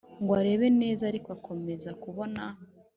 ngo arebe neza ariko akomeza kubona